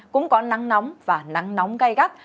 cũng có nắng nóng và nắng nóng gai gắt